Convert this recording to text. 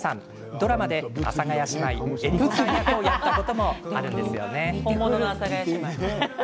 ドラマで阿佐ヶ谷姉妹江里子さん役をやったこともあるんですよね。